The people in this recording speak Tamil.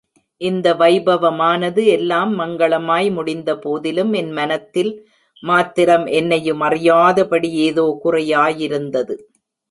இந்த வைபவமானது எல்லாம் மங்களமாய் முடிந்தபோதிலும், என் மனத்தில் மாத்திரம் என்னையுமறியாதபடி ஏதோ குறையாயிருந்தது.